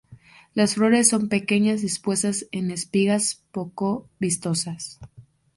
Las flores son pequeñas dispuestas en espigas poco vistosas.